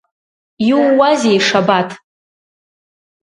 Иууазеи, Шабаҭ?